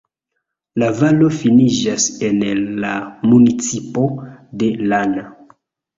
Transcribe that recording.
La valo finiĝas en la "municipo" de Lana.